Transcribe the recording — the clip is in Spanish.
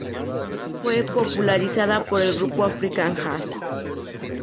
Fue popularizada por el grupo African Jazz.